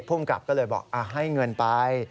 ภูมิกับก็เลยบอกให้เงินไป